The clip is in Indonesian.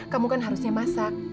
kamu kan harusnya masak